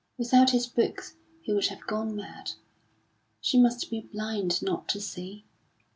Without his books he would have gone mad. She must be blind not to see.